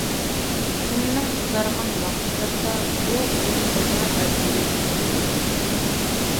تۈننىڭ ئۇزارغان ۋاقىتلىرىدا بۇ ئويۇن تازا ئەۋجىگە كۆتۈرۈلىدۇ.